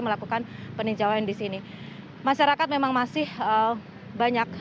melakukan peninjauan di sini masyarakat memang masih banyak